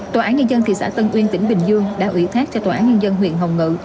tòa án nhân dân thị xã tân uyên tỉnh bình dương đã ủy thác cho tòa án nhân dân huyện hồng ngự